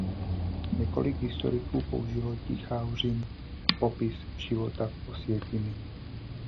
Několik historiků použilo Tichaueřin popis života v Osvětimi.